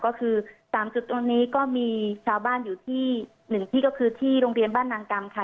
ก็คือ๓จุดตรงนี้ก็มีชาวบ้านอยู่ที่๑ที่ก็คือที่โรงเรียนบ้านนางกรรมค่ะ